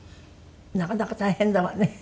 なかなか大変だわね。